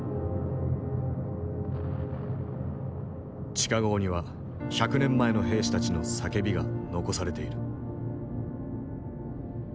地下壕には百年前の兵士たちの叫びが残されている。